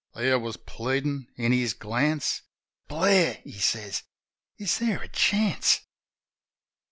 There was pleadin' in his glance: "Blair," he says, "is there a chance?"